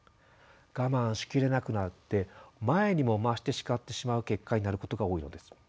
我慢し切れなくなって前にも増して叱ってしまう結果になることが多いのです。